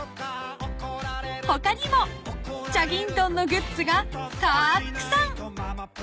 ［他にもチャギントンのグッズがたーくさん！］